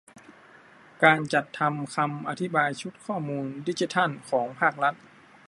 การจัดทำคำอธิบายชุดข้อมูลดิจิทัลของภาครัฐ